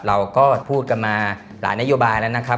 เราก็พูดกันมาหลายนโยบายแล้วนะครับ